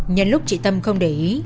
nhân lúc chị tâm không để ý